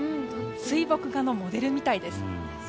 水墨画のモデルみたいです。